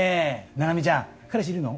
菜々美ちゃん彼氏いるの？